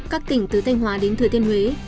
các tỉnh từ thanh hóa đến thừa thiên huế